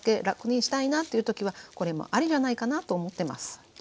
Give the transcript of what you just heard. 楽にしたいなという時はこれもありじゃないかなと思ってます。